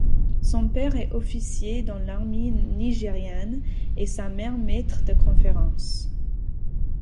Son père est officier dans l'armée nigériane et sa mère maître de conférences.